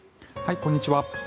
こんにちは。